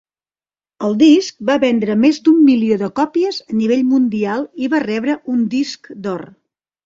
El disc va vendre més d'un milió de còpies a nivell mundial i va rebre un disc d'or.